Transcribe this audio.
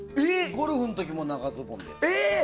ゴルフの時も長ズボンで行くし。